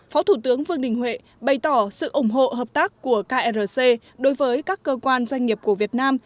phó thủ tướng vương đình huệ bày tỏ sự ủng hộ hợp tác của krc đối với các cơ quan doanh nghiệp của việt nam